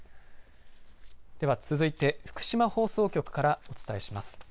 では、続いて福島放送局からお伝えします。